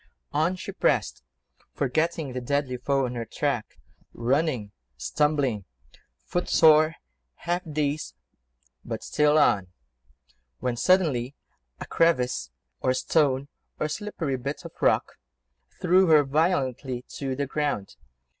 On she pressed, forgetting the deadly foe on her track, running, stumbling, foot sore, half dazed, but still on ... When, suddenly, a crevice, or stone, or slippery bit of rock, threw her violently to the ground.